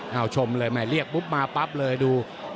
เอาชมเลยแม่เรียกปุ๊บมาปั๊บเลยดู